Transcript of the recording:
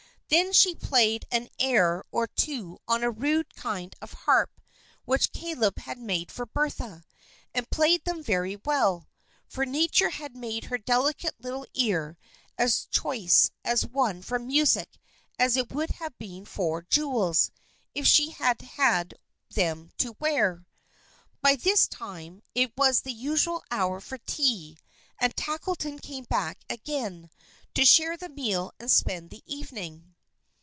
Then she played an air or two on a rude kind of harp which Caleb had made for Bertha, and played them very well; for Nature had made her delicate little ear as choice a one for music as it would have been for jewels if she had had them to wear. By this time, it was the usual hour for tea, and Tackleton came back again, to share the meal and spend the evening.